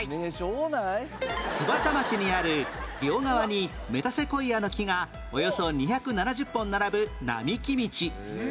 津幡町にある両側にメタセコイアの木がおよそ２７０本並ぶ並木道